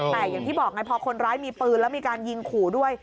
แต่อย่างที่บอกไงพอคนร้ายมีปืนแล้วมีการยิงขู่ด้วย